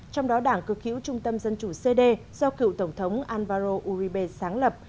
trong đó đảng cực hữu trung tâm dân chủ cd do cựu tổng thống alvaro uribe sáng lập